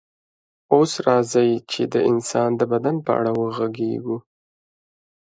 اوس راځئ چې د انسان د بدن په اړه وغږیږو